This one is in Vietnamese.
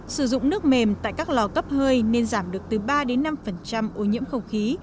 sử dụng nước mềm tại các lò cấp hơi nên giảm được từ ba đến năm ô nhiễm không khí